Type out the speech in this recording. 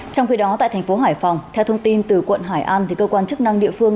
trong khi đó tại thành phố hải phòng theo thông tin từ quận hải an cơ quan chức năng địa phương